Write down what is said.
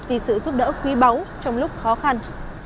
vì sự giúp đỡ quý báu trong lúc khó khăn